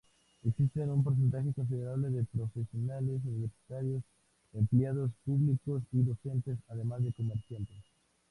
Existen un porcentaje considerable de profesionales universitarios, empleados públicos y docentes, además de comerciantes.